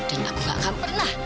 dan aku gak akan pernah